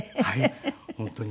本当にね。